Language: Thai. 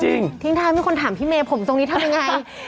ทิ้งท้ายมีคนถามพี่เมย์ผมตรงนี้ทำยังไง